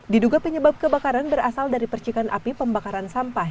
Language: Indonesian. diduga penyebab kebakaran berasal dari percikan api pembakaran sampah